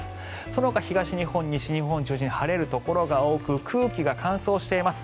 そのほか東日本、西日本を中心に晴れるところが多く空気が乾燥しています。